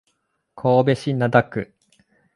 神戸市灘区